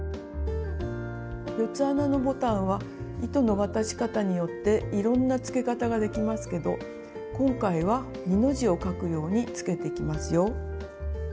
４つ穴のボタンは糸の渡し方によっていろんなつけ方ができますけど今回は二の字をかくようにつけていきますよ。